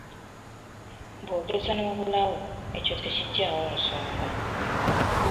"Bw'ogeza n’obulawo, ekyo tekiggyaawo nsonga."